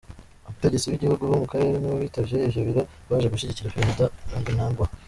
Abategetsi b'ibihugu bo mu karere nibo bitavye ivyo birori baje gushigikira Prezida Mnangagwa.